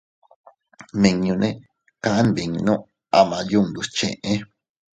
Nmiñune kaʼa nbinnu ama yundus cheʼe.